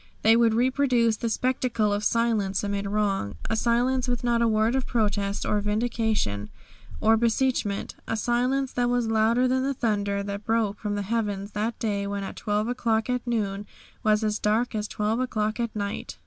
They would reproduce the spectacle of silence amid wrong; a silence with not a word of protest, or vindication, or beseechment; a silence that was louder than the thunder that broke from the heavens that day when at 12 o'clock at noon was as dark as 12 o'clock at night.